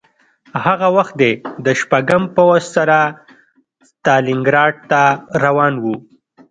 هغه وخت دی د شپږم پوځ سره ستالینګراډ ته روان و